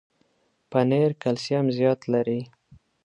پنېر کلسیم زیات لري.